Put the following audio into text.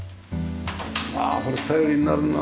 ああこれ頼りになるな。